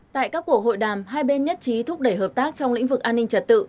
tại các cuộc hội đàm hai bên nhất trí thúc đẩy hợp tác trong lĩnh vực an ninh trật tự